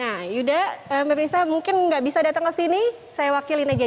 nah yuda mbak prisa mungkin nggak bisa datang ke sini saya wakilin aja